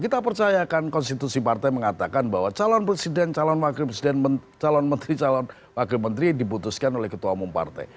kita percayakan konstitusi partai mengatakan bahwa calon presiden calon wakil presiden calon menteri calon wakil menteri diputuskan oleh ketua umum partai